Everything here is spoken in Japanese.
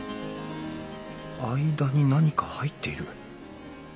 間に何か入っている。